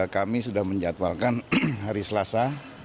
kami sudah menjatuhkan hari selasa